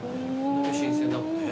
新鮮だもんね。